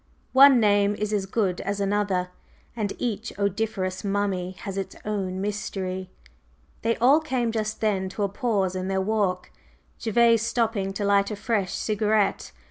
One name is as good as another, and each odoriferous mummy has its own mystery." They all came just then to a pause in their walk, Gervase stopping to light a fresh cigarette.